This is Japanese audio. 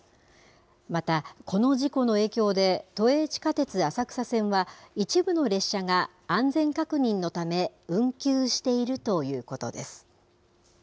また、この事故の影響で、都営地下鉄浅草線は一部の列車が安全確認のため運休しているということです。